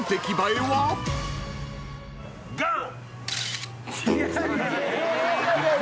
ガン！